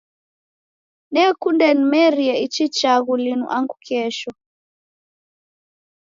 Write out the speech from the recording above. Nakunde nimerie ichi chaghu linu angu kesho.